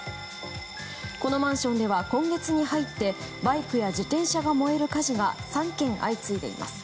このマンションでは今月に入ってバイクや自転車が燃える火事が３件相次いでいます。